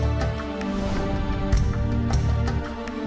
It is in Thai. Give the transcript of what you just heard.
อันนี้รักให้สวัสดี